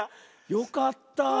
よかった。